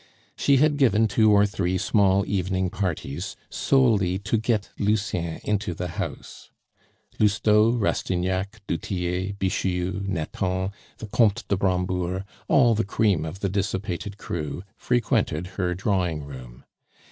She had given two or three small evening parties, solely to get Lucien into the house. Lousteau, Rastignac, du Tillet, Bixiou, Nathan, the Comte de Brambourg all the cream of the dissipated crew frequented her drawing room.